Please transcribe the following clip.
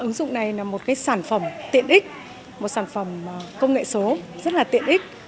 ứng dụng này là một sản phẩm tiện ích một sản phẩm công nghệ số rất là tiện ích